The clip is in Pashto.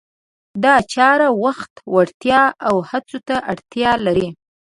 دا چاره وخت، وړتیا او هڅو ته اړتیا لري.